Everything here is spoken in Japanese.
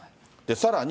さらに。